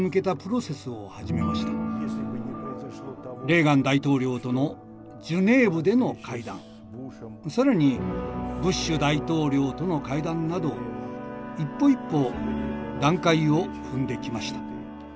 レーガン大統領とのジュネーブでの会談更にブッシュ大統領との会談など一歩一歩段階を踏んできました。